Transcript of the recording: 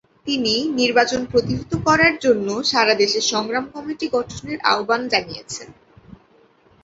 তিনি নির্বাচন প্রতিহত করার জন্য সারা দেশে সংগ্রাম কমিটি গঠনের আহ্বান জানিয়েছেন।